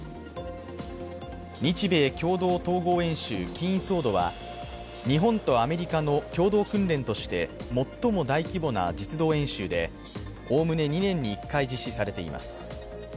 日米共同統合演習＝キーン・ソードは、日本とアメリカの共同訓練として最も大規模な実動演習でおおむね２年に１回、実施されています。